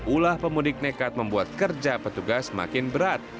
ulah pemudik nekat membuat kerja petugas makin berat